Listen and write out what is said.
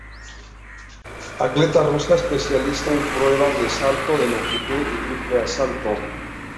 Atleta rusa especialista en pruebas de salto de longitud y triple salto.